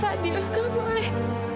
fadil nggak boleh